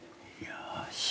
よし。